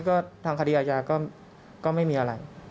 ก็ทางคดีอาญาก็ไม่มีอะไร